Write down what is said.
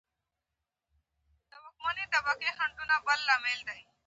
ژر بیرته راسه!